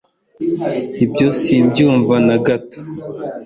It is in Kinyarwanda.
ibyo simbyumva na gato